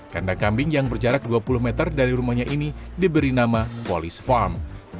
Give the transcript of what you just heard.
kandang kambing yang berjarak dua puluh meter dari rumahnya ini diberi nama polis farm